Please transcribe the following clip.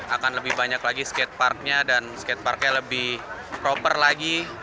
akan lebih banyak lagi skateparknya dan skateparknya lebih proper lagi